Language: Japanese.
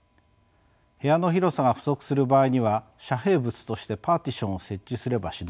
部屋の広さが不足する場合には遮蔽物としてパーティションを設置すればしのげます。